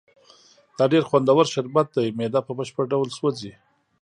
دا ډېر خوندور شربت دی، معده په بشپړ ډول سوځي.